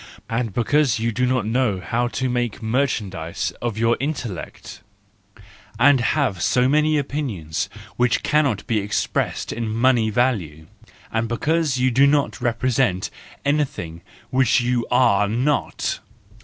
And because you do not know how to make merchandise of your intellect! And have so many opinions which cannot be ex¬ pressed in money value! And because you do not represent anything which you are not!